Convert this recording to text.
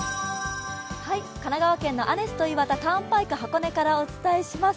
神奈川県のアネスト岩田ターンパイク箱根からお伝えします。